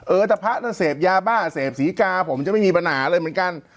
เออแต่พระน่ะเสพยาบ้าเสพศรีกาผมจะไม่มีปัญหาเลยเหมือนกัน